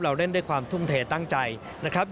เล่นด้วยความทุ่มเทตั้งใจนะครับ